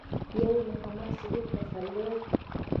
يو يې محمد صديق پسرلی و.